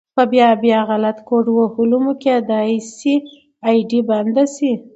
په بيا بيا غلط کوډ وهلو مو کيدی شي آئيډي بنده شي